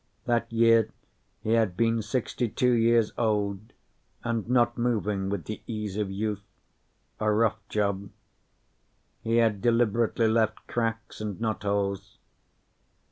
That year, he had been sixty two years old and not moving with the ease of youth: a rough job. He had deliberately left cracks and knotholes.